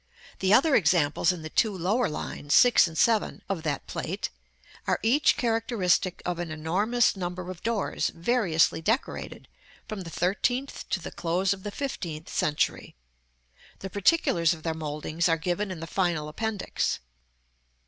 The other examples in the two lower lines, 6 and 7, of that Plate are each characteristic of an enormous number of doors, variously decorated, from the thirteenth to the close of the fifteenth century. The particulars of their mouldings are given in the final Appendix.